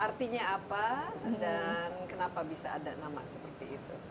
artinya apa dan kenapa bisa ada nama seperti itu